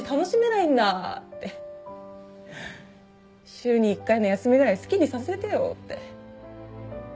「週に一回の休みぐらい好きにさせてよ」って。